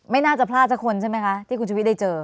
ไม่น่าจะพลาดสักคนใช่ไหมคะที่คุณชุวิตได้เจอ